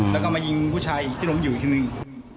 แล้วก็มายิงผู้ชายอีกที่ล้มอยู่อีกทีนึง